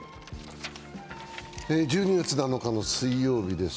１２月７日の水曜日です。